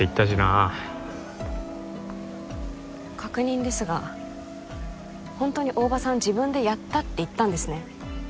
あ確認ですが本当に大庭さん「自分でやった」って言ったんですね？